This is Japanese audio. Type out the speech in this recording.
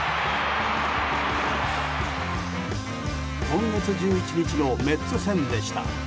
今月１１日のメッツ戦でした。